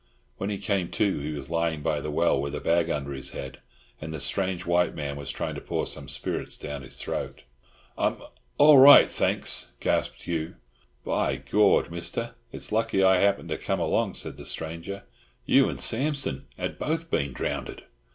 When he came to, he was lying by the well with a bag under his head, and the strange white man was trying to pour some spirits down his throat. "I'm—all right—thanks!" gasped Hugh. "By Gord, Mister, it's lucky I happened to come along," said the stranger. "You an' Sampson'd ha' both been drownded.